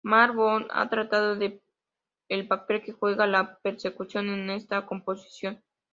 Ralph Wood ha tratado el papel que juega la percusión en esta composición.